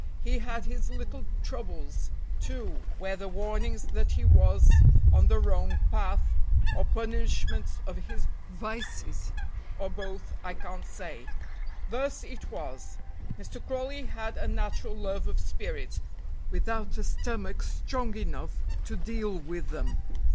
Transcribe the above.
He had his little troubles, too, whether warnings that he was on the wrong path, or punishments of his vices, or both, I can't say. Thus it was. Mr. Crawley had a natural love of spirits, without a stomach strong enough to deal with them.